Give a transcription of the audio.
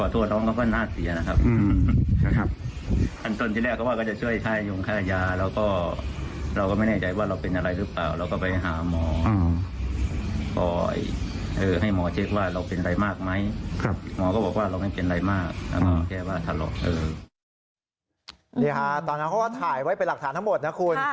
นี่ฮะตอนนั้นเขาก็ถ่ายไว้เป็นหลักฐานทั้งหมดนะคุณ